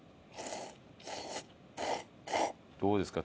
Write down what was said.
どうですか？